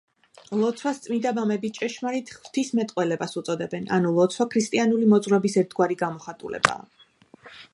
ლოცვას წმიდა მამები „ჭეშმარიტ ღვთისმეტყველებას“ უწოდებენ, ანუ ლოცვა ქრისტიანული მოძღვრების ერთგვარი გამოხატულებაა.